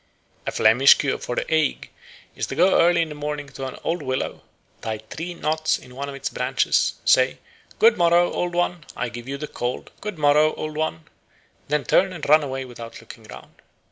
A Flemish cure for the ague is to go early in the morning to an old willow, tie three knots in one of its branches, say, "Good morrow, Old One, I give thee the cold; good morrow, Old One," then turn and run away without looking round.